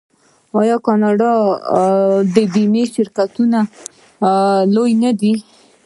آیا د کاناډا بیمې شرکتونه لوی نه دي؟